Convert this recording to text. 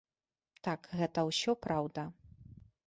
Так, гэта ўсё праўда.